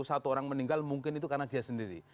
satu orang meninggal mungkin itu karena dia sendiri